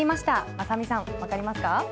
雅美さん、わかりますか。